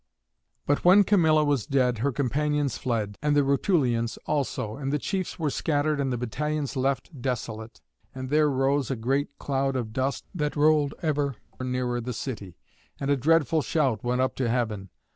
But when Camilla was dead her companions fled, and the Rutulians also, and the chiefs were scattered and the battalions left desolate. And there rose a great cloud of dust that rolled ever nearer the city; and a dreadful shout went up to heaven.